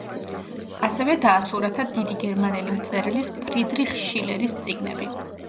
ასევე დაასურათა დიდი გერმანელი მწერლის ფრიდრიხ შილერის წიგნები.